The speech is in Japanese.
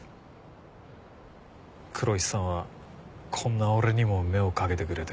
黒石さんはこんな俺にも目をかけてくれて。